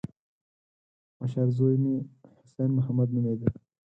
مشر زوی مې حسين محمد نومېده.